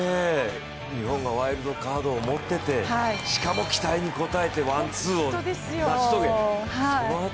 日本ワイルドカードを持っていてしかも、期待に応えてワン・ツーを成し遂げる。